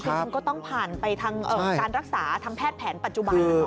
จริงก็ต้องผ่านไปทางการรักษาทางแพทย์แผนปัจจุบันนะคะ